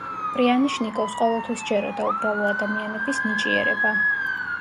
პრიანიშნიკოვს ყოველთვის სჯეროდა უბრალო ადამიანების ნიჭიერება.